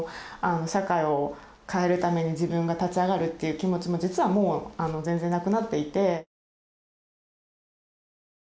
社会を変えるために自分が立ち上がるっていう気持ちも実はもう全然なくなっていて。